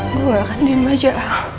gue gak akan diam aja